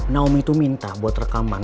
naomi itu minta buat rekaman